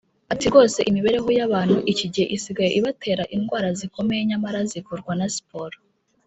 Ati “Rwose imibereho y’abantu iki gihe isigaye ibatera indwara zikomeye nyamara zivurwa na siporo